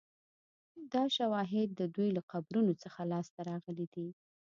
دا شواهد د دوی له قبرونو څخه لاسته راغلي دي